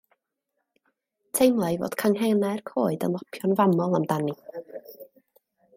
Teimlai fod canghennau'r coed yn lapio'n famol amdani.